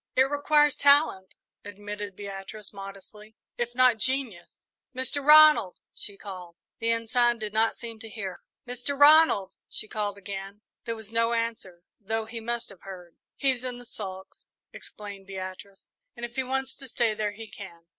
"It requires talent," admitted Beatrice, modestly, "if not genius. Mr. Ronald!" she called. The Ensign did not seem to hear. "Mr. Ronald!" she called again. There was no answer, though he must have heard. "He's in the sulks," explained Beatrice, "and if he wants to stay there, he can."